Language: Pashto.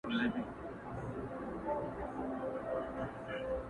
پلار هڅه کوي ځان قوي وښيي خو دننه مات وي,